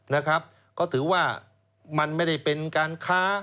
นะครับก็ถือว่ามันไม่ได้เป็นการค้า